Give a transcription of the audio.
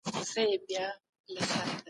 د دوی ليکنې موږ ته لارښوونه کوي.